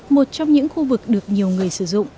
một trong những khu vực được nhiều người sử dụng